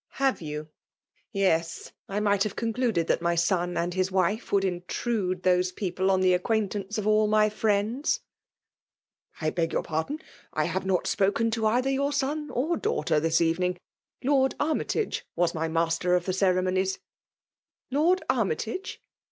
T .,'' 'Have you? Yes! I might have 4!0nw efatded that my son and his wife would intrudd tinwe people on the acquaintance of all iny '/:'^ I beg your pardon ; I hare not spoken. io either your son or daughter this eveniagi Xiord Armytago was my master of the ' cere* toosbs." . "^I^ocd Airmytage?